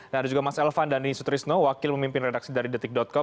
dan ada juga mas elvan dan nini sutrisno wakil memimpin redaksi dari detik com